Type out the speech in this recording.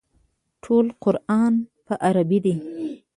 ټول قران په عربي دی.